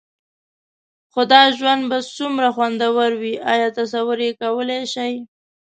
خو دا ژوند به څومره خوندور وي؟ ایا تصور یې کولای شئ؟